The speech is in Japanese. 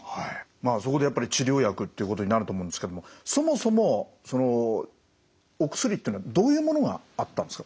まあそこでやっぱり治療薬ということになると思うんですけどもそもそもそのお薬っていうのはどういうものがあったんですか？